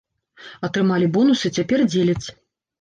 Атрымалі бонусы, цяпер дзеляць.